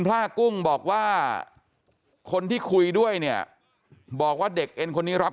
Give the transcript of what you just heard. ล่ากุ้งบอกว่าคนที่คุยด้วยเนี่ยบอกว่าเด็กเอ็นคนนี้รับ